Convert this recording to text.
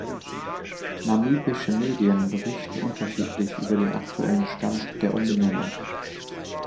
Namibische Medien berichten unterschiedlich über den aktuellen Stand der Umbenennung.